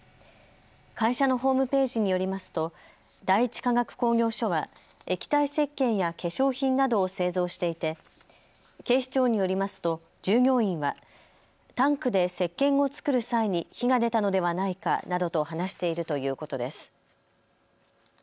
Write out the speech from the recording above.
会社のホームページによりますと第一化学工業所は液体せっけんや化粧品などを製造していて警視庁によりますと従業員はタンクでせっけんを作る際に火が出たのではないかなどと話しているということです。